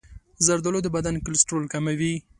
زردآلو د بدن کلسترول کموي.